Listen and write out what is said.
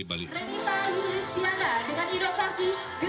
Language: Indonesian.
renita yulis tiaga dengan inovasi gerakan suka baca